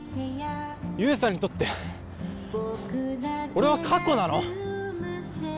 悠さんにとって俺は過去なの？